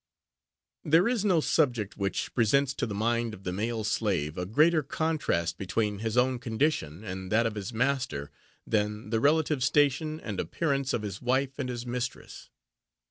There is no subject which presents to the mind of the male slave a greater contrast between his own condition and that of his master, than the relative station and appearance of his wife and his mistress.